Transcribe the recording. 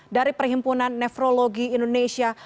dari perhimpunan nefrologi indonesia